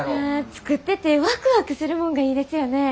作っててワクワクするもんがいいですよね。